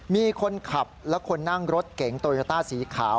มีคนขับและคนนั่งรถเก๋งโตโยต้าสีขาว